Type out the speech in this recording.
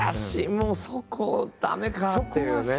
もうそこ駄目かっていうね。